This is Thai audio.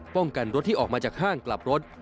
กันรถที่ออกมาจากห้างกลับรถ